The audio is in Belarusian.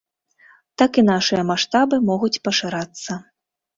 Так і нашыя маштабы могуць пашырацца.